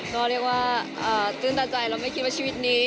ก็เรียกว่าตื้นตาใจเราไม่คิดว่าชีวิตนี้